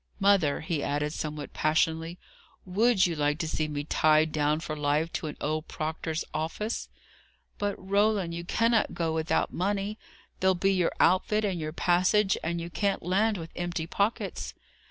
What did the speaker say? Mother!" he added somewhat passionately, "would you like to see me tied down for life to an old proctor's office?" "But, Roland, you cannot go out without money. There'll be your outfit and your passage; and you can't land with empty pockets."